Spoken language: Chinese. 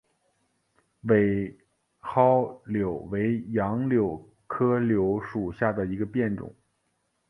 伪蒿柳为杨柳科柳属下的一个变种。